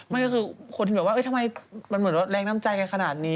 ไม่ก็คือคนที่แบบว่าทำไมมันเหมือนแรงน้ำใจกันขนาดนี้